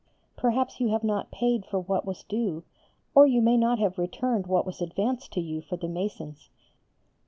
Perhaps you have not paid for what was due, or you may not have returned what was advanced to you for the masons.